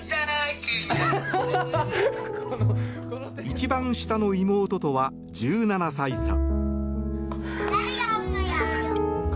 一番下の妹とは１７歳差。